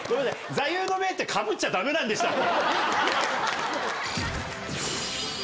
座右の銘ってかぶっちゃダメなんでしたっけ？